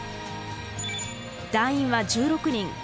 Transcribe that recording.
団員は１６人。